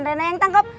rena yang tangkap